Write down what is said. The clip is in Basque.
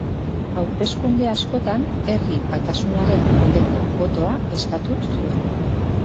Hauteskunde askotan Herri Batasunaren aldeko botoa eskatu zuen.